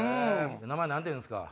名前何ていうんすか？